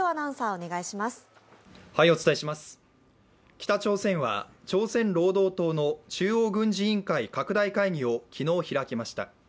北朝鮮は朝鮮労働党の中央軍事委員会の拡大会議を昨日、開きました。